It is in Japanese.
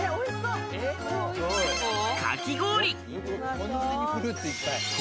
かき氷。